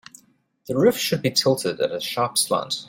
The roof should be tilted at a sharp slant.